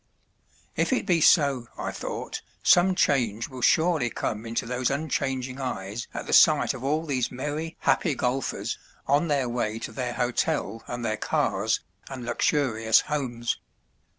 If it be so, I thought, some change will surely come into those unchanging eyes at the sight of all these merry, happy golfers on their way to their hotel and their cars and luxurious homes.